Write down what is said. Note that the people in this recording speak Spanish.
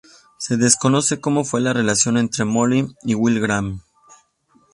Se desconoce cómo fue la relación entre Molly y Will Graham.